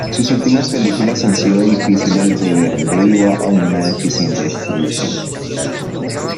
Sus últimas películas han sido difíciles de ver debido a una deficiente distribución.